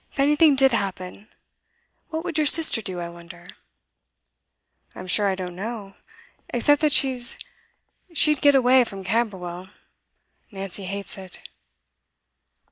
If anything did happen, what would your sister do, I wonder?' 'I'm sure I don't know except that she'd get away from Camberwell. Nancy hates it.